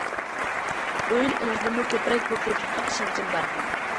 بۇ يىل ئۇنىڭدىنمۇ كۆپرەك پۇل تېپىشقا ئىشەنچىم بار.